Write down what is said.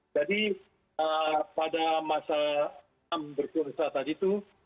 jadi pada masa trump berperusahaan tadi itu